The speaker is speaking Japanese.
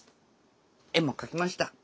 絵も描きました。